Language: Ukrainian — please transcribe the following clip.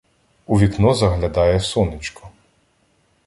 У вікно заглядає сонечко